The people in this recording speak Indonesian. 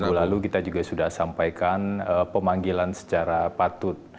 minggu lalu kita juga sudah sampaikan pemanggilan secara patut